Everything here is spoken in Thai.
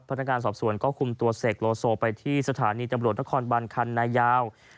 พนักงานสอบสวนก็คุมตัวเสกโลโซไปที่สถานีตำรวจนครบันคันนายาว